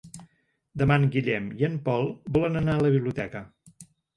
Demà en Guillem i en Pol volen anar a la biblioteca.